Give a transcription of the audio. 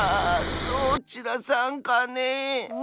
どちらさんかねえ？